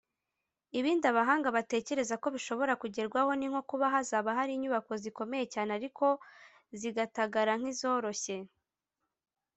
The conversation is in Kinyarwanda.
Ibindi abahanga batekereza ko bishobora kugerwaho ni nko kuba hazaba hari inyubako zikomeye cyane ariko zigatagara nk’izoroshye